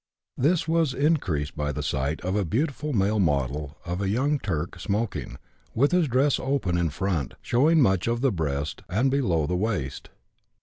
This was increased by the sight of a beautiful male model of a young Turk smoking, with his dress open in front, showing much of the breast and below the waist.